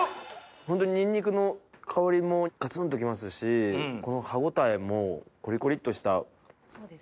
ホントにんにくの香りもガツンときますしこの歯応えもコリコリっとしたメカブの。